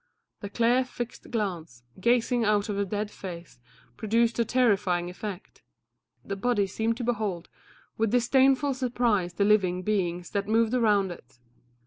The clear, fixed glance, gazing out of the dead face, produced a terrifying effect; the body seemed to behold with disdainful surprise the living beings that moved around it.